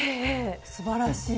すばらしい。